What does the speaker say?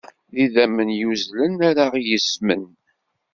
D idammen i yuzzlen ara ɣ-yezzmen.